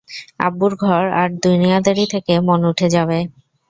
আব্বুর ঘর আর দুনিয়াদারি থেকে মন উঠে যাবে।